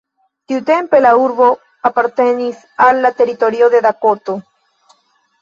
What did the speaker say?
Tiutempe la urbo apartenis al la teritorio de Dakoto.